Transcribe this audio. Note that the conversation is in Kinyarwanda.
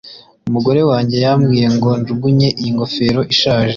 umugore wanjye yambwiye ngo njugunye iyi ngofero ishaje